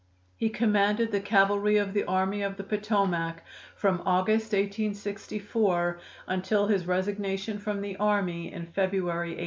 He commanded the cavalry of the Army of the Potomac from August, 1864, until his resignation from the army, in February, 1865.